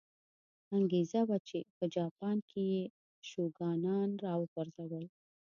انګېزه وه چې په جاپان کې یې شوګانان را وپرځول.